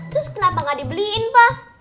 terus kenapa gak dibeliin pa